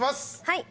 はい。